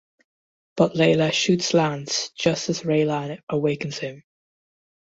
But Layla shoots Lance just as Raylan awakens him.